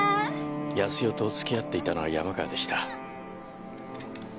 康代と付き合っていたのは山川でした。